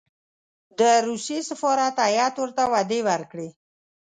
د روسیې سفارت هېئت ورته وعدې ورکړې.